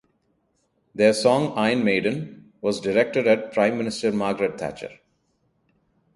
Their song "Iron Maiden" was directed at Prime Minister Margaret Thatcher.